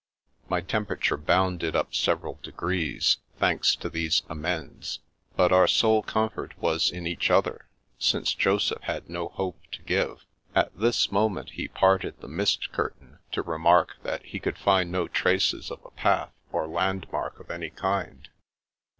My temperature bounded up several degrees, thanks to these amends, but our sole comfort was in each. other, since Joseph had no hope to give. At this moment he parted the mist curtain to remark that he could find no traces of a path or landmark of any kind.